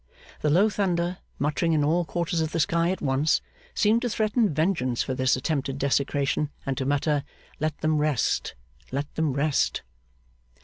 The low thunder, muttering in all quarters of the sky at once, seemed to threaten vengeance for this attempted desecration, and to mutter, 'Let them rest! Let them rest!